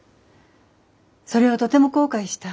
それをとても後悔した。